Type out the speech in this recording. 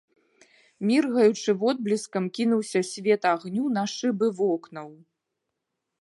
Міргаючы водбліскам, кінуўся свет агню на шыбы вокнаў.